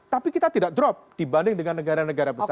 tapi kita tidak drop dibanding dengan negara negara besar